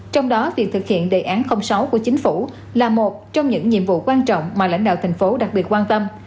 trong đó việc thực hiện đề án sáu của chính phủ là một trong những nhiệm vụ quan trọng mà lãnh đạo thành phố đặc biệt quan tâm